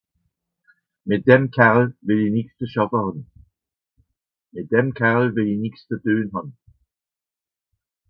Mìt dem Kerl wìll ìch nìx ze schàffe hàn.